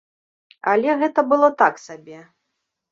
Але гэта было так сабе.